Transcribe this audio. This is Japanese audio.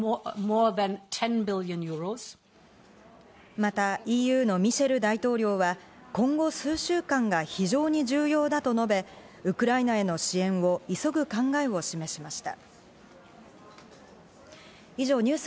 またＥＵのミシェル大統領は今後、数週間が非常に重要だと述べ、ウクライナへの支援を急ぐ考えを示しました。